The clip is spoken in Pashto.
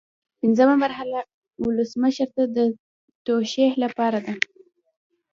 پنځمه مرحله ولسمشر ته د توشیح لپاره ده.